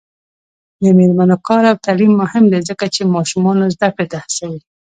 د میرمنو کار او تعلیم مهم دی ځکه چې ماشومانو زدکړې ته هڅوي.